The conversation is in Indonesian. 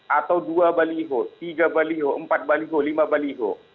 atau dua baliho tiga baliho empat baliho lima baliho